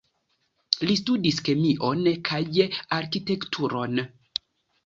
Li studis kemion kaj arkitekturon.